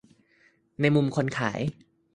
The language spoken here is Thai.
ในมุมคนขาย